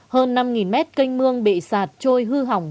hơn năm mét canh mương bị sạt trôi hư hỏng